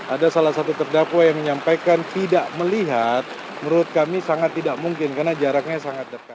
ada salah satu terdakwa yang menyampaikan tidak melihat menurut kami sangat tidak mungkin karena jaraknya sangat dekat